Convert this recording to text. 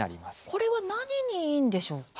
これは何にいいでしょうか。